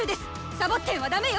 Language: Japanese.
サボってんはダメよ！